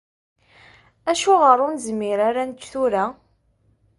Acuɣer ur nezmir ara ad nečč tura?